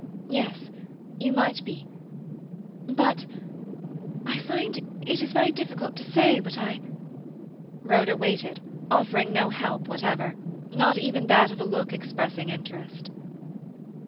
"Yes. You might be. But—I find it is very difficult to say what I—" Rhoda waited, offering no help whatever, not even that of a look expressing interest.